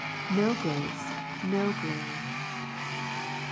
"No Grace, no Glory."